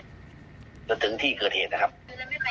ตั้งแต่ก็ถึงที่เกิดเหตุนะครับค่ะ